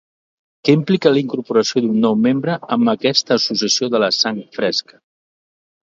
Què implica la incorporació d'un nou membre en aquesta associació de la sang fresca?